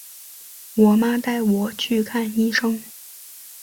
我妈带我去看医生